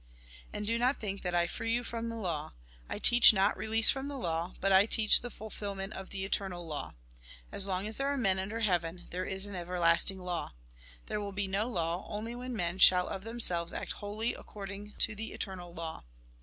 And do not think tliat I free you from the law. I teach not release from the law, but I teach the fulfilment of tlie eternal law. As long as there are men un<ler heaven, there is an everlasting law. There will be no law, only when men shall of them selves act wholly according to the eternal law.